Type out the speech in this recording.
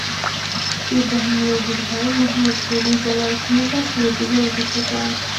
ইবরাহিম লোদীর ভাই মাহমুদ লোদী জালাল খানের কাছ থেকে বিহার অধিকার করেন।